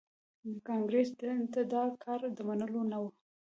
کانګریس ته دا کار د منلو نه و.